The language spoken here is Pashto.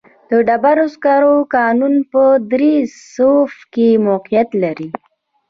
د ډبرو سکرو کانونه په دره صوف کې موقعیت لري.